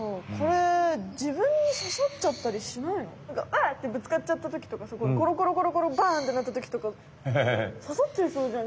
「わっ！」ってぶつかっちゃった時とかコロコロコロコロバンってなった時とかささっちゃいそうじゃん